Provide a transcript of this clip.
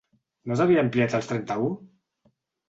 No s'havia ampliat als trenta-u?